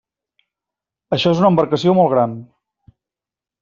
Això és una embarcació molt gran.